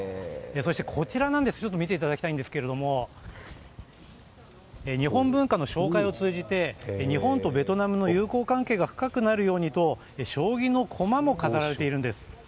そしてこちら見ていただきたいんですが日本文化の紹介を通じて日本とベトナムの友好関係が深くなるようにと将棋の駒も飾られているんです。